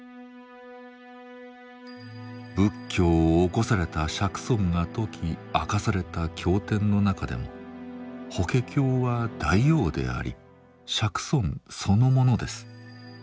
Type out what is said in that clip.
仏教を興された釈尊が説き明かされた経典の中でも法華経は大王であり釈尊そのものです。